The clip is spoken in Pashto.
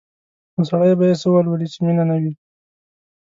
نو سړی به یې څه ولولي چې مینه نه وي؟